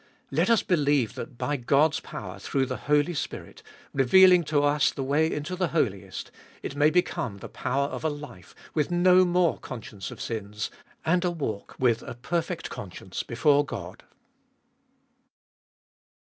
Let us believe that by God's power, through the Holy Spirit, revealing to us the way into the Holiest, it may become the power of a life, with no more conscience of sins, and a walk with a perfect conscience before God.